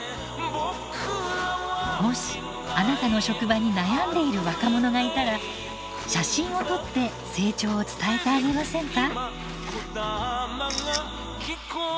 もしあなたの職場に悩んでいる若者がいたら写真を撮って成長を伝えてあげませんか？